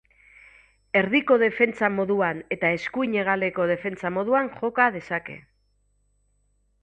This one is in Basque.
Erdiko defentsa moduan eta eskuin hegaleko defentsa moduan joka dezake.